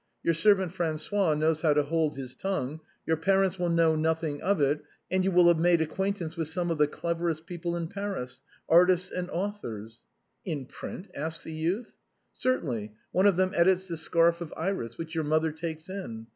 Your servant Fran çois knows how to hold his tongue ; your parents will know nothing of it; and you will have made acquaintance with some of the cleverest people in Paris, artists and authors." " In print ?" asked the youth. " Certainly. One of them edits ' The Scarf of Iris,' which your mother takes in.